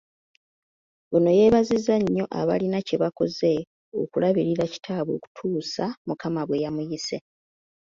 Ono yeebazizza nnyo abalina kye bakoze okulabirira kitaabwe okutuusa Mukama bwe yamuyise.